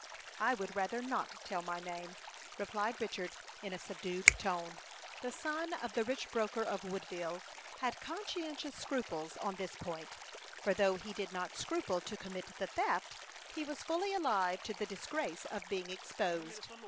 "I would rather not tell my name," replied Richard, in a subdued tone. The son of the rich broker of Woodville had conscientious scruples on this point; for though he did not scruple to commit the theft, he was fully alive to the disgrace of being exposed.